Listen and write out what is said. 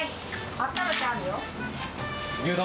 あっためてあ牛丼？